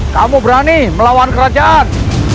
kamu berani melawan kerajaan